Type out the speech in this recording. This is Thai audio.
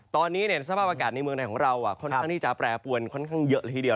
ตอนนี้สภาพอากาศในเมืองไทยของเราค่อนข้างที่จะแปรปวนค่อนข้างเยอะละทีเดียว